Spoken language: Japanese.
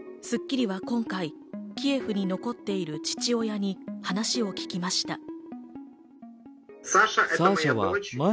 『スッキリ』は今回、キエフに残っている父親に話を聞きました。